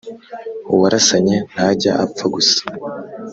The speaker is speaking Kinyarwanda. uwarasanye ntajya apfa gusa